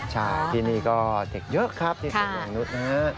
ใช่ที่นี่ก็เด็กเยอะครับที่สนุกนุ๊ดเนอะ